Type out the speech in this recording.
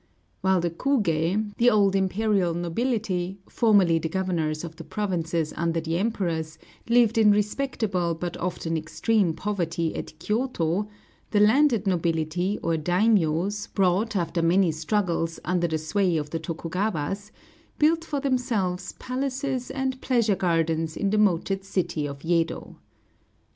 While the kugé, the old imperial nobility, formerly the governors of the provinces under the Emperors, lived in respectable but often extreme poverty at Kyōto, the landed nobility, or daimiōs, brought, after many struggles, under the sway of the Tokugawas, built for themselves palaces and pleasure gardens in the moated city of Yedo.